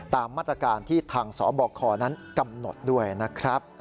ตามมาตรการที่ทางสบคนั้นกำหนดด้วยนะครับ